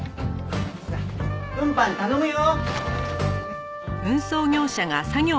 さあ運搬頼むよ。